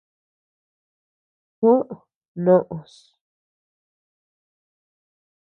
Juó noʼös.